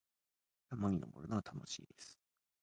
山に登るのは楽しいです。